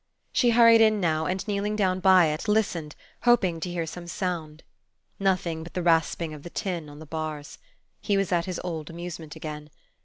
She hurried in now, and, kneeling down by it, listened, hoping to hear some sound. Nothing but the rasping of the tin on the bars. He was at his old amusement again.